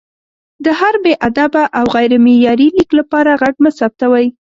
د هر بې ادبه او غیر معیاري لیک لپاره غږ مه ثبتوئ!